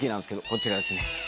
こちらですね。